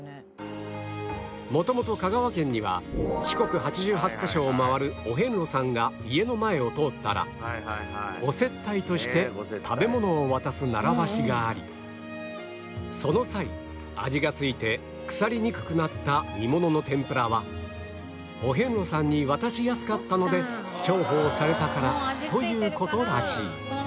元々香川県には四国８８カ所を回るお遍路さんが家の前を通ったらお接待として食べ物を渡す習わしがありその際味が付いて腐りにくくなった煮物の天ぷらはお遍路さんに渡しやすかったので重宝されたからという事らしい